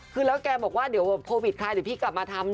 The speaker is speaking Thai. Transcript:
คือแล้วแกบอกว่าเดี๋ยวโควิดใครเดี๋ยวพี่กลับมาทำ